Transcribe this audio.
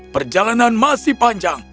perjalanan masih panjang